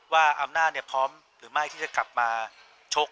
ว่าอำนาจพร้อมหรือไม่ที่จะกลับมาชก